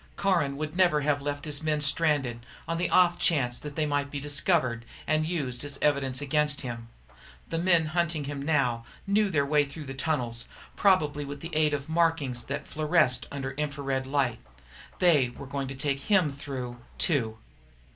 Caron would never have left his men stranded, on the off chance that they might be discovered and used in evidence against him. The men now hunting him knew their way through the tunnels, probably with the aid of markings that fluoresced under infra red light. They were going to take him through, too.